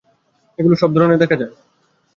এগুলো সব ধরনের খাবার খায়।